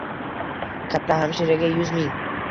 Katta hamshiraga yuz ming